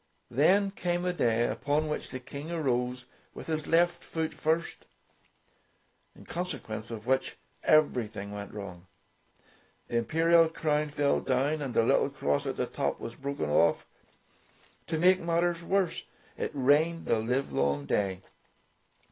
Then came a day upon which the King arose with his left foot first, in consequence of which everything went wrong. The im perial crown fell down, and the little cross at the top was broken off. To make mat ters worse, it rained the livelong day.